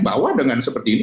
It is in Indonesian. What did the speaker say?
bahwa dengan seperti ini